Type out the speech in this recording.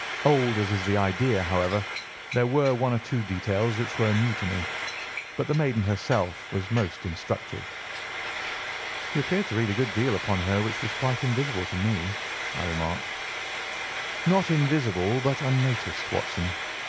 Old as is the idea, however, there were one or two details which were new to me. But the maiden herself was most instructive." "You appeared to read a good deal upon her which was quite invisible to me," I remarked. "Not invisible but unnoticed, Watson.